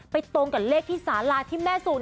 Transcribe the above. ไปตรงกับเลขที่ซาลาที่แม่สู๋